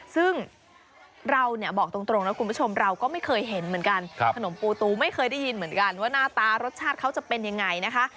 ซึ่งเราเนี่ยบอกตรงนะคุณผู้ชมเราก็ไม่เคยเห็นเหมือนกันขนมปูตูไม่เคยได้ยินเหมือนกันว่าหน้าตารสชาติเขาจะเป็นยังไงนะคะ